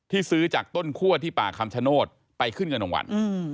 ซื้อจากต้นคั่วที่ป่าคำชโนธไปขึ้นเงินรางวัล